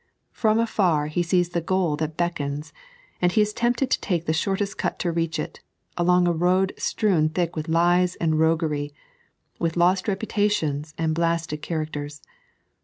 From afar he sees the goal that beckons, and he is tempted to take the shortest cut to reach it, along a road strewn thick with Hee and roguery, with lost repu tations and blasted characters.